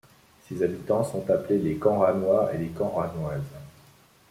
Ses habitants sont appelés les Canranois et les Canranoises.